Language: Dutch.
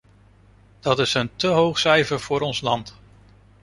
Dat is een te hoog cijfer voor ons land.